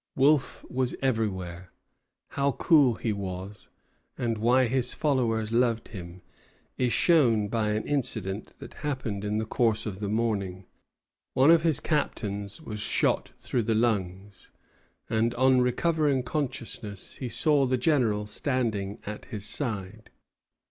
Wolfe was everywhere. How cool he was, and why his followers loved him, is shown by an incident that happened in the course of the morning. One of his captains was shot through the lungs; and on recovering consciousness he saw the General standing at his side.